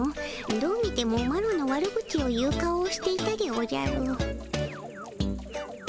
どう見てもマロの悪口を言う顔をしていたでおじゃる。